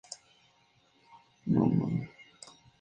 Harrison" y "David Mordecai Finkelstein".